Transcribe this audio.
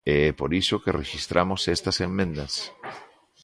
E é por iso que rexistramos estas emendas.